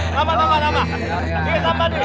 tambah tambah tambah